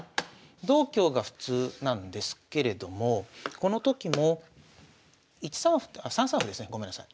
同香が普通なんですけれどもこのときも１三歩あ３三歩ですねごめんなさい。